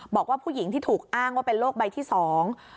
บอกว่าผู้หญิงที่ถูกอ้างว่าเป็นโรคใบที่สอง